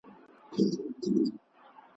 د علم او پوهي کچه لوړه سوې وه.